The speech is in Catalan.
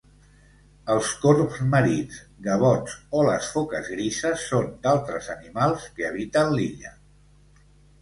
Els corbs marins, gavots o les foques grises són d'altres animals que habiten l'illa.